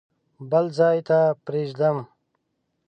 بل ځای ته پرېږدم.